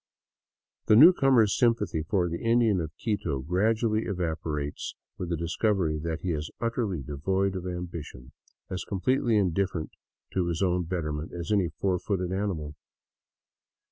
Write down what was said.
The newcomer's sympathy for the Indian of Quito gradually evapo rates with the discovery that he is utterly devoid of ambition, as com pletely indifferent to his own betterment as any four footed animal.